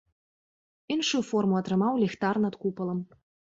Іншую форму атрымаў ліхтар над купалам.